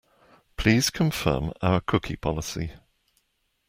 Please confirm our cookie policy.